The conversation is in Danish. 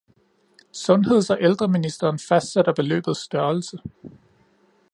Sundheds- og ældreministeren fastsætter beløbets størrelse